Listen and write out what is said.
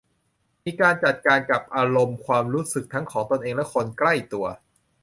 มีการจัดการกับอารมณ์ความรู้สึกทั้งของตนเองและคนใกล้ตัว